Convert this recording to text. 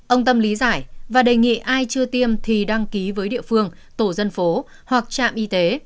ông tâm lý giải và đề nghị ai chưa tiêm thì đăng ký với địa phương tổ dân phố hoặc trạm y tế